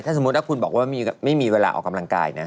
สมมุติถ้าคุณบอกว่าไม่มีเวลาออกกำลังกายนะ